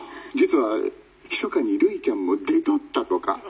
「実はひそかにるいちゃんも出とったとか」。